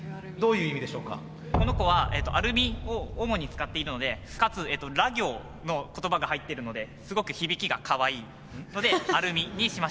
この子はアルミを主に使っているのでかつら行の言葉が入ってるのですごく響きがカワイイので「あるみ」にしました。